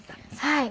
はい。